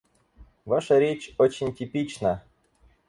Ваша речь очень типична.